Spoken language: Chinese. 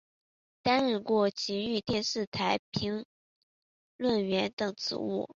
担任过崎玉电视台评论员等职务。